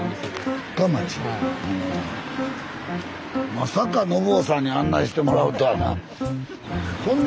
まさかのぼうさんに案内してもらうとはな。